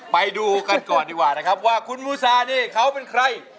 ไปดูกันก่อนดีกว่านะครับว่าคุณมูซานี่เขาเป็นใคร